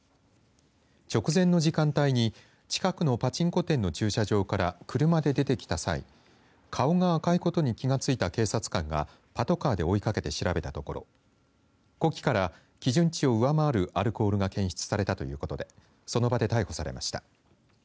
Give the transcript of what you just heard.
直前の時間帯に近くのパチンコ店の駐車場から車で出てきた際顔が赤いことに気がついた警察官がパトカーで追いかけて調べたところ呼気から基準値を上回るアルコールが検出されたということでその場で逮捕されました。